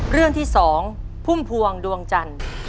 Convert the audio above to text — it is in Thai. เรื่องที่๒พุ่มพวงดวงจันทร์